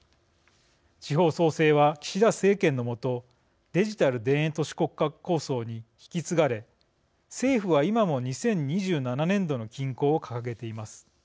地方創生は、岸田政権のもとデジタル田園都市国家構想に引き継がれ、政府は今も２０２７年度の均衡を掲げています。